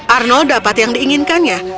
arnold dapat yang diinginkannya